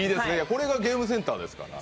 これがゲームセンターですから。